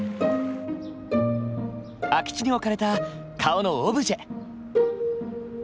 空き地に置かれた顔のオブジェ。